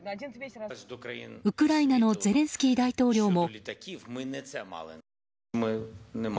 ウクライナのゼレンスキー大統領も。